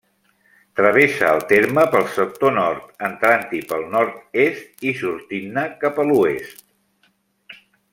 Travessa el terme pel sector nord, entrant-hi pel nord-est i sortint-ne cap a l'oest.